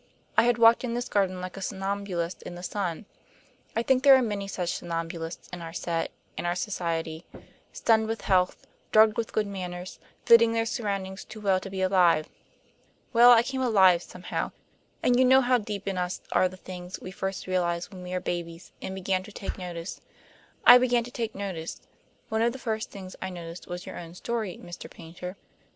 I had walked in this garden like a somnambulist in the sun. I think there are many such somnambulists in our set and our society; stunned with health, drugged with good manners, fitting their surroundings too well to be alive. Well, I came alive somehow; and you know how deep in us are the things we first realize when we were babies and began to take notice. I began to take notice. One of the first things I noticed was your own story, Mr. Paynter.